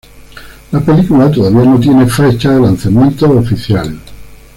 La película todavía no tiene fecha de lanzamiento oficial.